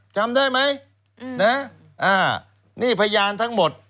จำได้ไหมนี่พยานทั้งหมด